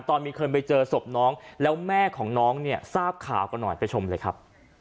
ตอนมีคนไปเจอศพน้องแล้วแม่ของน้องเนี่ยทราบข่าวกันหน่อยไปชมเลยครับ